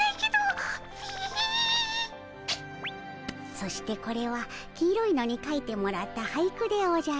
そしてこれは黄色いのにかいてもらった俳句でおじゃる。